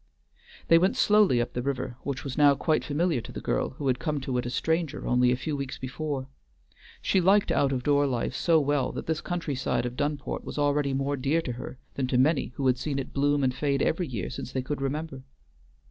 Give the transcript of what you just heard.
They went slowly up the river, which was now quite familiar to the girl who had come to it a stranger only a few weeks before. She liked out of door life so well that this countryside of Dunport was already more dear to her than to many who had seen it bloom and fade every year since they could remember.